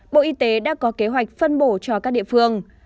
bộ y tế đã có kế hoạch phân bổ cho các địa phương